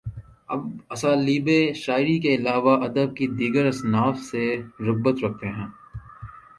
آپ اسالیبِ شعری کے علاوہ ادب کی دیگر اصناف سے رغبت رکھتے ہیں